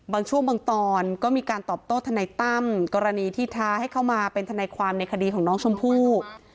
บางช่วงบางตอนก็มีการตอบโต้ทนายตั้มกรณีที่ท้าให้เข้ามาเป็นทนายความในคดีของน้องชมพู่